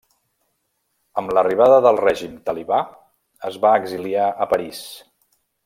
Amb l'arribada del règim talibà, es va exiliar a París.